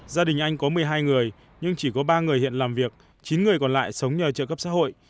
gia đình anh có một mươi hai người nhưng chỉ có ba người hiện làm việc chín người còn lại sống nhờ trợ cấp xã hội